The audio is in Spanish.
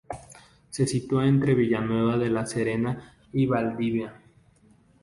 Se sitúa entre Villanueva de la Serena y Valdivia.